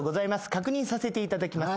確認させていただきます。